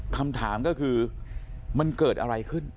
คำถามก็คือมันเกิดอะไรขึ้น